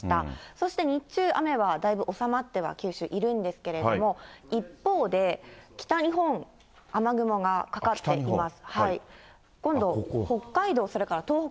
そして日中、雨はだいぶ収まっては九州いるんですけれども、一方で、北日本、雨雲がかかっています。